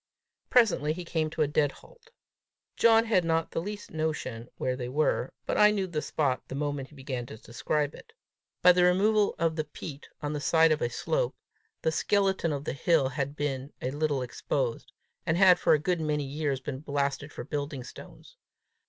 Presently, he came to a dead halt. John had not the least notion where they were, but I knew the spot the moment he began to describe it. By the removal of the peat on the side of a slope, the skeleton of the hill had been a little exposed, and had for a good many years been blasted for building stones.